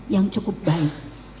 yang cukup baik